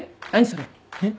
えっ？